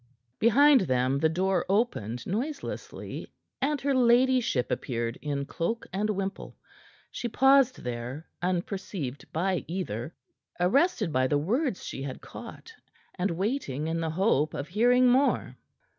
Behind them the door opened noiselessly, and her ladyship appeared in cloak and wimple. She paused there, unperceived by either, arrested by the words she had caught, and waiting in the hope of hearing more.